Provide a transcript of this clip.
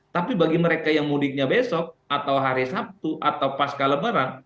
tapi bagi mereka yang mudiknya besok atau hari sabtu atau pasca lebaran